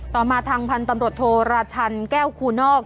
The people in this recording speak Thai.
มาทางพันธ์ตำรวจโทราชันแก้วคูนอก